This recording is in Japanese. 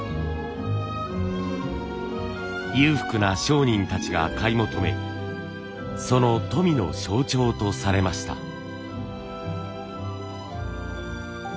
裕福な商人たちが買い求めその富の象徴とされました。